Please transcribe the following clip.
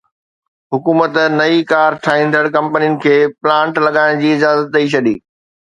حڪومت نئين ڪار ٺاهيندڙ ڪمپنين کي پلانٽ لڳائڻ جي اجازت ڏئي ڇڏي